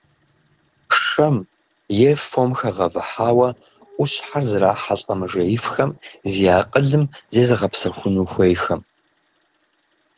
Шэм е фом хэгъэвыхьауэ ӏущхьэр зрахьэлӏэ мыжеифхэм, зи акъылым зезыгъэпсэхуну хуейхэм.